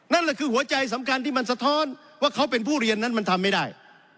นั่นแหละคือหัวใจสำคัญที่มันสะท้อนว่าเขาเป็นผู้เรียนนั้นมันทำไม่ได้